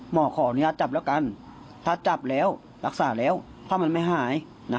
ขออนุญาตจับแล้วกันถ้าจับแล้วรักษาแล้วถ้ามันไม่หาย